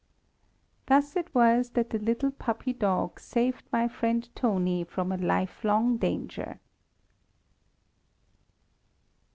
Thus it was that the little puppy dog saved my friend Toni from a life long danger.